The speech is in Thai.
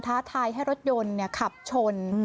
ท้าทายให้รถยนต์ขับชน